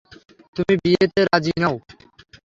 তুমি বিয়েতে রাজি নও?